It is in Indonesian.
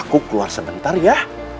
aku keluar sebentar ya